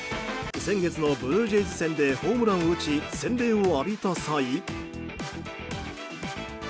先月のブルージェイズ戦でホームランを打ち洗礼を浴びた際。